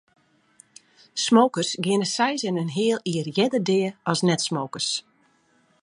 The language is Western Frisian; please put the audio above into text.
Smokers geane seis en in heal jier earder dea as net-smokers.